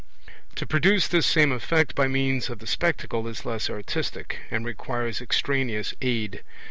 To produce this same effect by means of the Spectacle is less artistic, and requires extraneous aid.